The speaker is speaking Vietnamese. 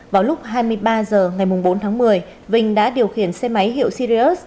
vào lúc hai mươi ba h ngày bốn tháng một mươi vinh đã điều khiển xe máy hiệu sirius